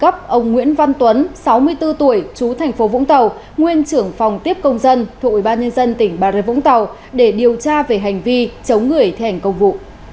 cơ quan cảnh sát điều tra công an tp vũng tàu ra lệnh cấp ông nguyễn văn tuấn sáu mươi bốn tuổi chú tp vũng tàu nguyên trưởng phòng tiếp công dân thuộc ủy ban nhân dân tỉnh bà rê vũng tàu để điều tra về hành vi chống người thể hành công vụ